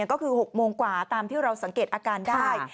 ก็คือ๖โมงกว่าตามที่เราสังเกตอาการได้